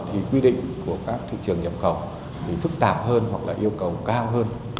thì quy định của các thị trường nhập khẩu phức tạp hơn hoặc yêu cầu cao hơn